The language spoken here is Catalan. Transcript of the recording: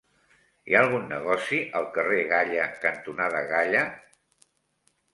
Hi ha algun negoci al carrer Galla cantonada Galla?